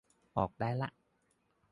ออกได้ละ